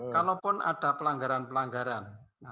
kalaupun ada pelanggaran pelanggaran